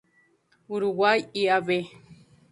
Uruguay y Av.